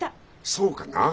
そうかな？